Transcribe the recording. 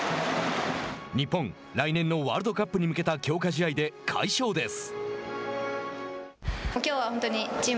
日本、来年のワールドカップに向けた強化試合で快勝です。